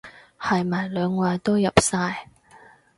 係咪兩位都入晒？